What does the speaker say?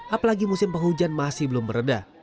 apalagi musim penghujan masih belum meredah